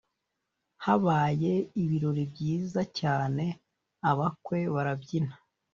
Habaye ibirori byiza cyane abakwe barabyina